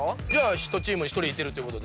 １チーム１人いてるってことで。